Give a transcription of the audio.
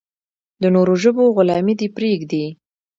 د نورو ژبو غلامي دې پرېږدي.